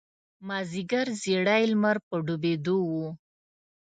مازیګر زیړی لمر په لویېدو و.